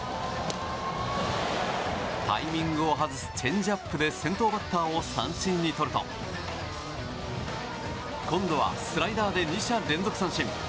タイミングを外すチェンジアップで先頭バッターを三振にとると今度はスライダーで２者連続三振。